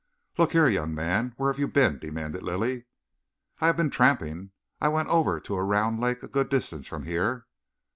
"Look here, young man, where have you been?" demanded Lilly. "I have been tramping. I went over to a round lake a good distance from here."